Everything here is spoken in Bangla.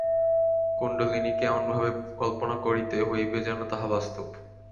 কুণ্ডলিনীকে এমনভাবে কল্পনা করিতে হইবে যেন তাহা বাস্তব।